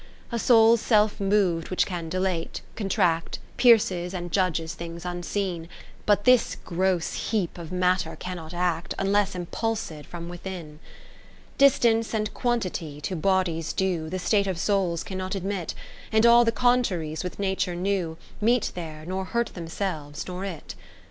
VII A soul self mov'd which can dilate, contract, Pierces and judges things unseen : But this gross heap of Matter cannot act. Unless impulsed from within. VIII Distance and Quantity, to bodies due, The state of souls cannot admit ; And all the contraries which Nature knew 31 Meet there, nor hurt themselves, nor it.